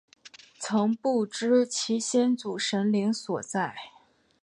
曾不知其先祖神灵所在。